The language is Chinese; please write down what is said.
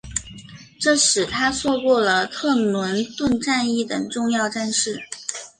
这使他错过了特伦顿战役等重要战事。